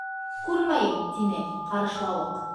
—Күрмәйем, —тине Ҡарышлауыҡ.